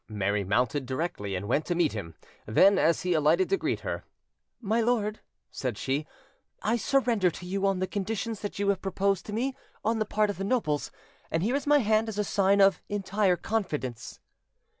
Mary mounted directly and went to meet him; them, as he alighted to greet her, "My lord;" said she, "I surrender to you, on the conditions that you have proposed to me on the part of the nobles, and here is my hand as a sign of entire confidence".